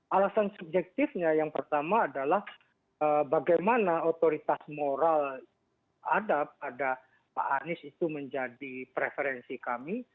alasan subjektifnya yang pertama adalah bagaimana otoritas moral ada pada pak anies itu menjadi preferensi kami